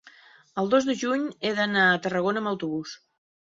el dos de juny he d'anar a Tarragona amb autobús.